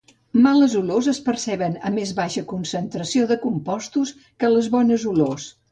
Males olors és perceben a més baixa concentració de compostos que les bones olors